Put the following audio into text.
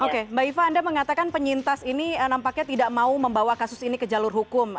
oke mbak iva anda mengatakan penyintas ini nampaknya tidak mau membawa kasus ini ke jalur hukum